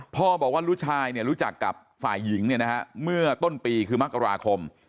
พ่อบอกว่ารู้ชายเนี่ยรู้จักกับฝ่ายหญิงเนี่ยนะฮะเมื่อต้นปีคือมักราคม